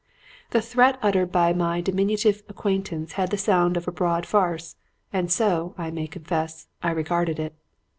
"The threat uttered by my diminutive acquaintance had the sound of broad farce, and so, I may confess, I regarded it.